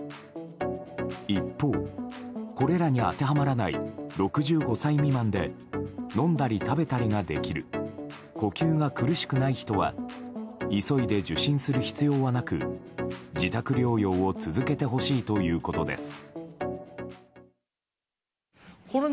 一方、これらに当てはまらない６５歳未満で飲んだり食べたりができる呼吸が苦しくない人は急いで受診する必要はなく自宅療養を続けてほしいということです。